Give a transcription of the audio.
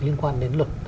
liên quan đến luật